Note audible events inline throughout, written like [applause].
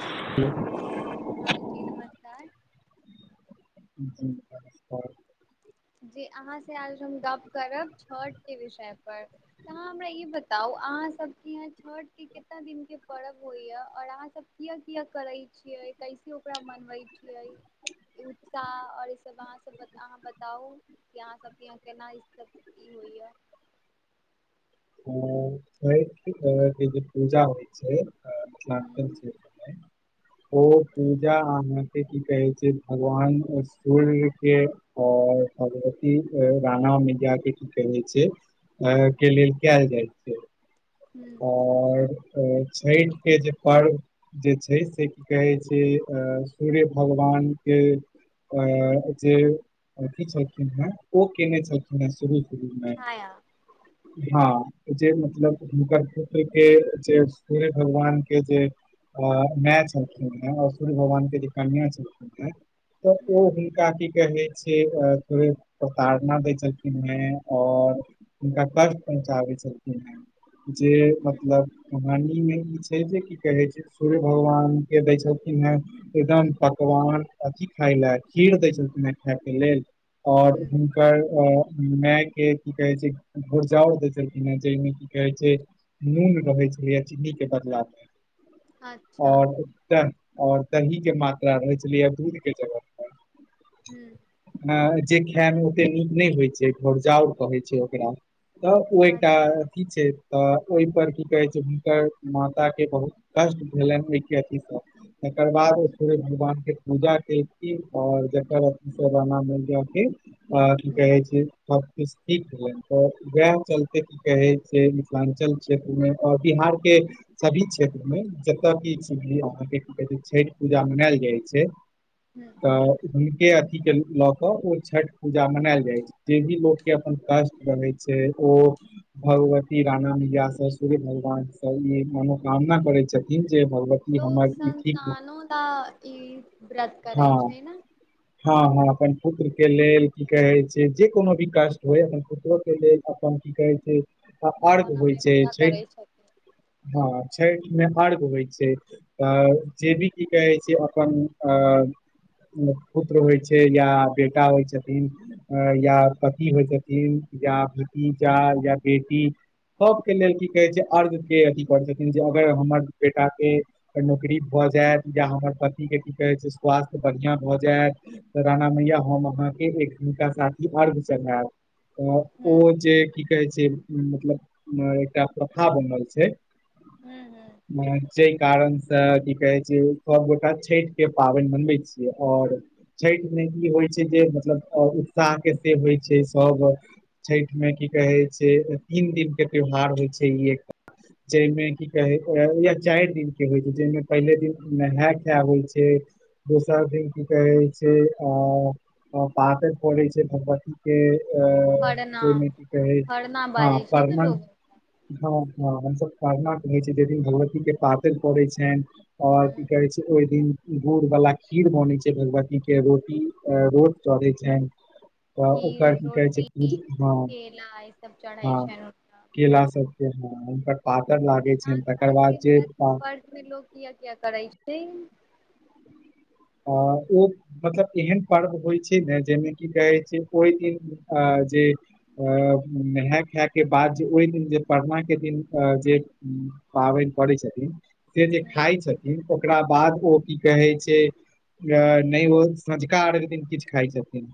ह। हँ जी नमस्कार ह। जे अहाँसँ आज हम गप्प करब छठके विषय पर तऽ अहाँ हमरा ई बताउ अहाँ सबके यहाँ छठके कितना दिनके पर्व होइया और अहाँ सब किया किया करे छियै कैसे ओकरा मनवे छियै उत्साह और ई सब अहाँ सब अहाँ बताउ यहाँ सबके य केना क होइया। ओ क के जे पूजा होइ छै। आ। हूँ ओ पूजा अहाँ। के की कहै छै, भगवान सूर्य के ओर भगवती रणा मैया के की कहै छै। अ क लेल आ जाइ छै। हूँ आओर। छठि के जे पर्व जे छै से की कहै छै, सूर्य भगवान के जे अथी छलखिन हेँ, ओ केने छलखिन हेँ शुरू। हमे। छाया हाँ। जे मतलब हूँ हुनकर। के जे सूर्य भगवान के जे मैय छलखिन हे, और सूर्य भगवान के जे कनिया छलखिन हे। तऽ ओ हूँ हुनका की कहे। से थोड़े प्रताड़ना दै छलखिन हैं, और हुनका कष्ट पहुँचाबै छलखिन हैं। जे हूँ मतलब। मानी में ई छै जे की कहै छै, सूर्य भगवान के दै छलखिन हे एकदम पकवान अथी खाय लए खीर दै छलखिन हे खायके लेल। आओर हूँ हुनकर अ। माय के की कहै छै, घुुरझौर देय छलखिन हे जाहिमें की कहै छै। नून रहै छै या चीनी के बदलाव में। अच्छा आओर त। और दही के मात्रा रहै छलैहे, दूध के जगह पर। हूं। जे खाय में ओते नीक नहि होइ छै। घोरझौर कहैत छै ओकरा। तऽ ओ अच्छा एकटा अथी छै। तऽ ओहिपर की कहैत छै हुनकर माताके बहुत कष्ट भेलनि ओहिके अथीसँ, तकर बाद ओ फेरे भगवानके पूजा केलखिन आओर जकर अथीसँ राणा माय के। आ की हूँ कह छै। ठीक भेलै तऽ वएह चलते की कहै छै। मिथिलाञ्चल क्षेत्रमें, आओर बिहारके सभी क्षेत्रमें जतय की अहाँके की कहैत छै छठि पूजा मनायल जाइत छै। हूँ तऽ। के अथी के लऽ केऽ ओ छठ पूजा मनायल जाय छै, जे भी लोक के अपन कष्ट रहगै छै ओ भगवती। राणा मैया से, सूर्य भगवान से ई मनोकामना करै छथिन। जे भगवती लोग हमर ई ठीक संन्तानों ल, ई व्रत करै हँ छै ने। हँ हँ अपन पुत्रके लेल, की कहैत छै जे कोनो भी कष्ट होइ अपन पुत्रोके लेल अपन की कहै छै। त अर्घ जौना होइ मे छै पूरा छठि करै छथिन हँ। छैठ मे अर्घ होय छै तऽ जे भी की कहै छै अपन अ म पुत्र होय छै या बेटा होय छथिन अ या पति होय छथिन या भतीजा या बेटी। सबके लेल की कहै छै अर्घ के अथी करै छथिन जे अगर हमर बेटा के नौकरी भऽ जाएत या हमर पति के की कहै छै स्वास्थ्य बढ़ियाँ भऽ जाएत, तऽ राणा मैया हम अहाँ के एक हिनका साथी अर्घ चढ़ाएब। त ओ हूँ जे की कहै छै उम्म मत लब म एकटा प्रथा बनल छै। हूँ हूँ नै। जाहि कारणसँ की कहै छै सभगोटा छठिके पाबनि मनबै छियै, आओर छठिमे ई होइ छै जे मतलब उत्साहके से होइ छै सभ छठिमे की कहै छै। तीन दिन के त्यौहार होइ छै ई एकटा, जाहिमे की कहे या चारि दिन के होइ छै जाहिमे पहिले दिन नहाय-खाय होइ छै, दोसर दिन की कहे छै अ पातरि पे छै भगवतीके के। अ खरना जेहिमे की कहै। खरना हाँ बाजै छै ने पढ़नाय लोग हाँ हाँ हम सब खड़ना होय छै जै दिन भगवती के पातैन पड़े छैन। और की हूँ कहै छै ओय दिन गुड़ वला खीर बनै छै, भगवती के रोटी अ रोट चढ़े छैन। खीर, रोटी, केला ई सब चढ़ै हाँ छैन हुनका केला सबके हाँ हुनकर पातर लागे नहा छैन, खा तकर बाद के व्रत जेता व्रत मे लोग किया किया करै छै अ ओ मतलब एहन पर्व होय छै नै जे मे की कहै छै ओय दिन अ जे ए नहाय खाय के बाद जे ओय दिन जे परना के दिन अ जे पाबैन करै छथिन। से जे हूँ खाय छथिन। ओकरा बाद ओ की कहै छै। अ नै वो संझका अर्घ दिन किछ खाय छथिन,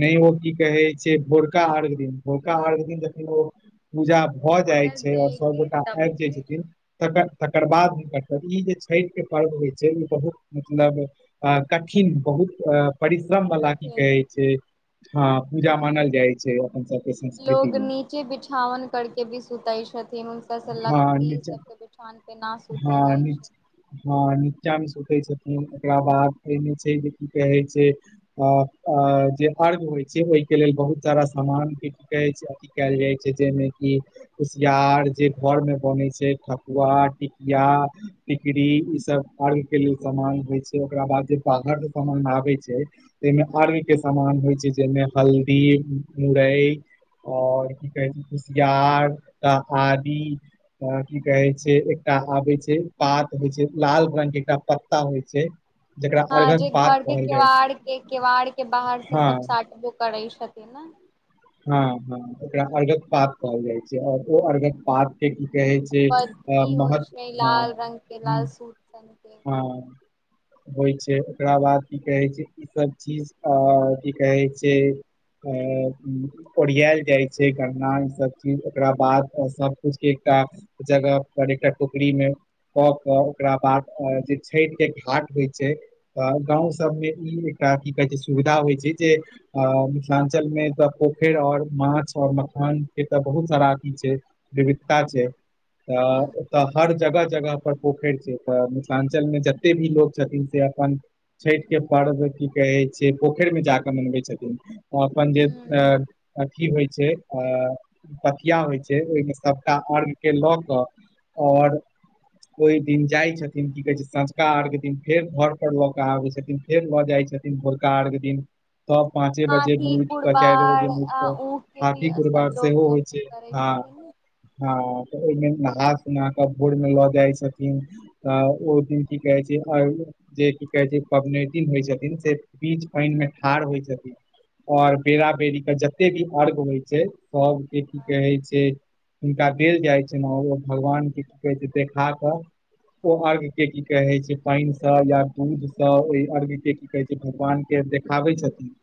नै ओ की कहै छै भोरका अर्घ दिन, भोरका अर्घ दिन जखन ओ पूजा भऽ जाय अर्घ छै और दे सब के गोटा तब आएब जाय खाइ छथिन, छै तकर तकर बाद हुनकर [unintelligible] ई जे छैठ के पर्व होय छै, ई बहुत मतलब आ कठिन बहुत अ परिश्रम वला की कठिन कहै छै। हाँ पूजा मानल जाय छै। अपन सबके संस्कृति लोग मे नीचे बिछावन करके भी सुतैए छ थिन, [unintelligible] लकड़ी सबके [unintelligible] हाँ नी, हाँ नीचा मे सु तैए छथिन, एकरा बाद एमे छै जे की कहे छै अ अ जे अर्घ होय छै, ओय के लेल बहुत सारा सामान के की कहे छै अथी काएल जाय छै, जै मे कि कुशयार जे घोर मे बनै छै ठकुआ, पी या टिकरी ई सब अर्घ के लेल समान होय छै, ओकरा बाद जे बाहर से समान आबै छै। तै मे हूँ अर्घ के समान होय छै, जै मे हल्दी, मुरए और की कहे छै कुशियार, टा आदी त की कहे छै। टा आबै छै, पात होय छै, लाल रंग के एकटा पत्ता होय छै। जकरा हाँ अर्घक जे पात घर के कहल जाइ छै केवाड़ के केवाड़ के बाहर से हँ सब साटबो करै छथिन ना। हाँ, हाँ ओकरा अर्घक पात कहल जाय छै और ओ अर्घक पात के की कहै छै अ पद्धति होइ महत छै हाँ लाल रंग के लाल ह्म्म सूत रंग के हाँ। होइ छै। ओकरा बाद की कहै छै ईसभ चीज आ की कहै छै आ ओरियाएल जाइ छै गन्ना ईसब चीज। ओकरा बादमे सब कुछके एकटा जगहपर एकटा टोकरीमे कऽ कऽ ओकरा बाद अ जे छैठके घाट होइ छै। गाँंव सबमे ई एकटा की कहै छै सुविधा होइ छै जे अ मिथिलांचलमे पोखरि और माछ और मखानके तऽ बहुत सारा अथि छै, विविधता छै। अऽ ह ओत्तऽ हर जगह-जगह पर पोखर छै तऽ मिथलांचल मे जते भी लोग छथिन से अपन छैठ के पर्व की कहै छै पोखेर मे जाके मनबै छथिन। अपन जे ह अथि होय छै आ पथिया होय छै, ओय मे सबटा अर्घ के लऽ कऽ और ओय दिन जाय छथिन की कहै छै सँझका अर्घ दिन फेर घर पर लऽ कऽ आबै छथिन, फेर लऽ जाय छथिन भोरका अर्घ दिन। तब पाँचे बजे हाथी उठि चाइरे कुड़बार बजेमे उइठ आ कऽ ऊख के भी हाथी कुरबार सब लोग सेहो होइ छै करै हँ छथिन ने। सँ। तऽ ओ ओहिमे नहा-सुना कऽ भोरमे लऽ जाइ छथिन, त ओ दिन की कहै छै अ जे की कहे छै पबनैतिन होइ छथिन, से बीच पाइनमे ठाढ़ होइ छथिन और हूँ, बेरा बेेरीके जत्तेक ई अर्घ होइ छै सबके की हँ, कहै छै हुनका देल जाइत छनि आओर ओ भगवानके की कहैत छै देखा कऽ, ओ अर्घ्यके की कहैत छै, पानिसँ या दूधसँ ओहि अर्घ्यके की कहैत छै भगवानके देखाबै छथिन।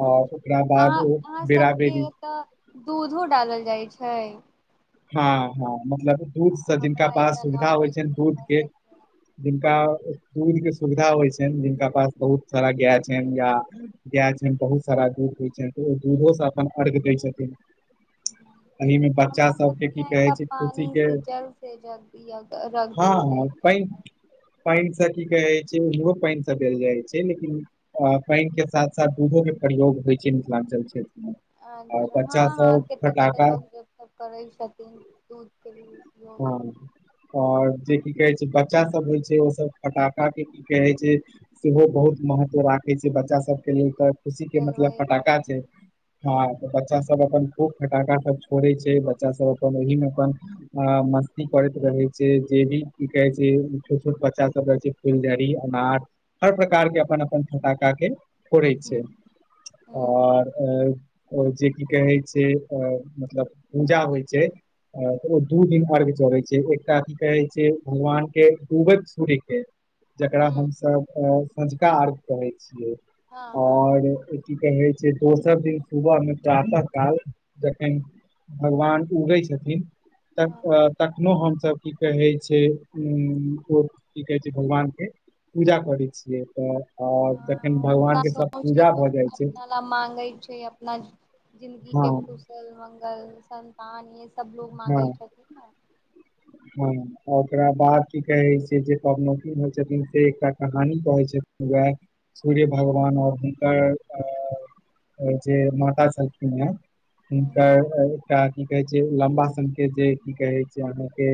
अच्छा। और ओकरा अहाँ बाद ओ अहाँ बेरा सबके बेरी एतय दूधो डालल जाइ छै? [unintelligible] हँ हँ, मतलब दूधसँ जिनका हमरा पास एतऽ न सुविधा होइ छनि छै हमरा दूधके, सबके यहाँ। जिनका दूधके सुविधा होइ छनि जिनका पास बहुत सारा गाए छनि या गाए छनि, बहुत सारा दूध होइ छनि, तऽ ओ दूधोसँ अपन अर्घ्य दै छथिन। एहीमे बच्चा हमरा स्- सबके की यहाँ कहै एतऽ छै पानी खुशीके, से जल से रख दिय रख हँ देल जाइ हँ, पाइन छै पाइन तऽ की कहै छै ओहो पानिसे देल जाइ छै, लेकिन अ पानिके साथ साथ दूधोके प्रयोग होइ छै मिथिलांचल क्षेत्रमे। अच्छा। हँ हँ, कत्ते-कत्ते फटाका लोक जे छै करै छथिन दूधके लिए। हँ। आओर जे की कहै छै ब- बच्चासब होइ छै, ओसब फटाकाके की कहै छै, सेहो बहुत महत्व राखै छै। बच्चा सबके लेल तऽ खुशीके मतलब जलबै फटाका छै। हँ, तऽ बच्चासब अपन खूब फटाकासब छोड़े छै। बच्चासब अपन ओहीमे अपन अ मस्ती करैत रहे छै। जे भी की कहे छै छोट-छोट बच्चासब रहै छै फुलझड़ी, अनार, हर प्रकारके अपन-अपन फटाकाके फोड़ैत हूँ छै। हूँ आर अ अ जे की कहै छै, अ मतलब पूजा होइ छै। अ ओ दू दिन अर्घ्य चढ़ै छै। एकटा की कहै छै भगवानके डूबैत सूर्यके। जकरा हूँ हमसभ अ संझका अर्घ के हय छीये हँ हँ और की कहै छै दोसर दिन सुबह मे प्रातः काल जखन भगवान उगै छथिन। तक हँ तखनो हम सब तब की कहै छै, उम्म फो की कहै छै भगवान के पूजा करै छियै तऽ और जखन तऽ भगवान के हुनकासँ सब कुछ न पूजा कुछ भऽ जाइ छै अपना ले मांँगै छै। अपना हँ जिन्दगीके खुशल-मङ्गल सन्तान लेल। सब लोग मांगे छथि न। हाँ ओकरा बाद की कहै छै जे पबनोतिन होय छथिन से एकटा कहानी कहै छथिन, उहाए सूर्य भगवान और हुनकर अ अ जे माता छलखिन हय। हूँ हुनकर अ एकटा की कहै जे लम्बा सन के जे की कहे छै अहाँ के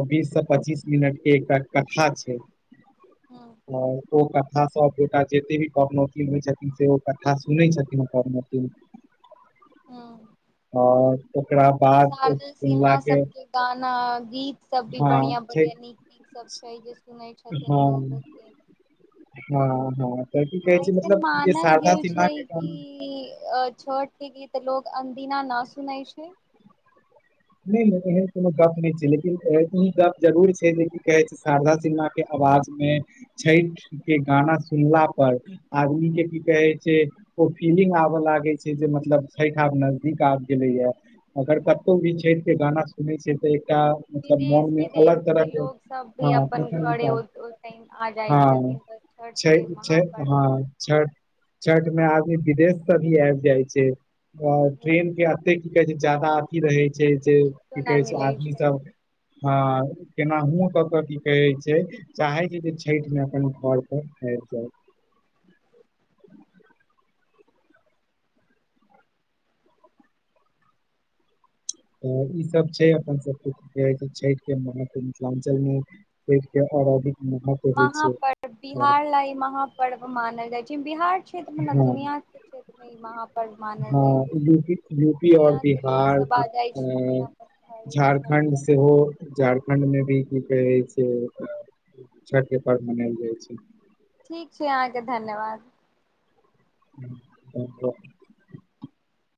ओ बीस से पच्चीस मिनट के एकटा कथा छै। हूँ हाँ। ओ कथा सबगोटा जेते भी पबनोतिन होय छथिन से ओ कथा सुनै छथिन पबनोतिन। हाँ। और ओकरा बाद ओ सुनला सिन्हा के सबके गाना गीत सब भी हँ छै बढ़ियाँ-बढ़ियाँ नीक-नीक सब छै जे सुनै छथिन लोग [unintelligible] हाँ-हाँ। ऐसन मानल गेल छै के कि गाना अ छठ के गीत ते लोग अन दीना ना सुनै छै। नै नै एहन कुनो गप नै छै लेकिन ए ई गप जरूर छै जे कि कहै छै शारदा सिन्हा के अवाज मे छैठ के गाना सुनला पर आदमी के की कहे छै। ओ फीलिंग आबा लागे छै जे मतलब छैठ आब नजदीक आब गेले या अगर कतौ भी छै ठ के गाना सुनै छै तऽ मतलब मोन मे विदेश-विदेश अलग तरह के लोग सब भी हँ अपन घरे प्रसन्नता ओ ओय टाइम आ जाय हँ छथिन तऽ छठ छै के छै महापर्व हँ छठ छठ मे आदमी विदेश से भी आएब जाय छै। [unintelligible] ट्रेन के आते के जे जादा अथी रहै छै जे टिकटो की कहै नहि छै मिलै आदमी सब हाँ केनाहुओ कऽ के की कहै छै चाहै छी जे छैठ मे अपन घर पर हय के चाही। तब ई सब छै अपन सबके की कहै छै छैठ के महत्व मिथलांचल मे छैठ के और अधिक महत्व होइ छै महापर्व बिहार लै ई महापर्व मानल जाय छै, बिहार क्षेत्र मे नै हँ दुनिया के क्षेत्र मे इ महापर्व मानल जाइ छै, हँ यूपी यूपी आओर दुनिया के लोग बिहार सब के आ जाइ अ, छै अपन घर झारखण्ड सेहो झारखण्ड मे भी की कहै छै, छते पर मनायल जाइ छै। ठीक छै, अहांके धन्यवाद। [inaudible]